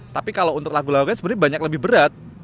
tapi kalau untuk lagu lagunya sebenarnya banyak lebih berat